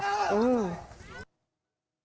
อืม